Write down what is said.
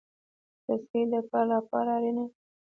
رسۍ د کار لپاره اړینه ده.